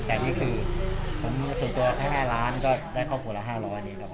แต่นี่คือส่วนตัวแค่๕ล้านก็ได้ครอบครัวละ๕๐๐นี่ครับ